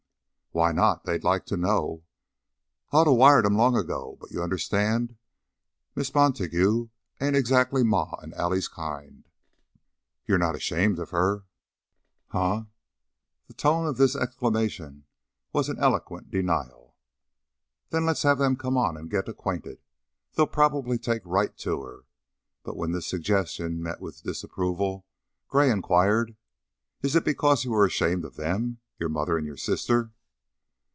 "Why not? They'd like to know." "I'd oughta wired 'em long ago, but you understand! Miss Montague ain't exactly Ma an' Allie's kind." "You're not ashamed of her?" "Hunh!" The tone of this exclamation was an eloquent denial. "Then let's have them come on and get acquainted. They'll probably take right to her." But when this suggestion met with disapproval, Gray inquired: "Is it because you are ashamed of them of your mother and sister?"